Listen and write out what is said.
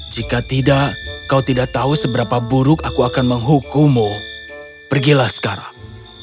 jika tidak kau tidak tahu seberapa buruk aku akan menghukumu pergilah sekarang